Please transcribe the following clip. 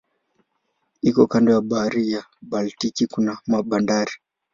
Iko kando ya bahari ya Baltiki kuna bandari.